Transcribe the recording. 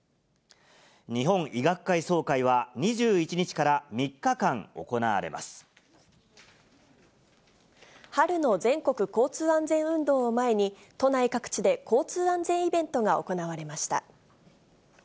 日本医学会総会は、２１日か春の全国交通安全運動を前に、都内各地で交通安全イベントが行われました。